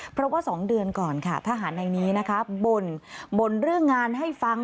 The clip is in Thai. เพราะว่า๒เดือนก่อนทหารในนี้บ่นเรื่องงานให้ฟัง